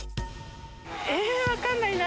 えー、分かんないな。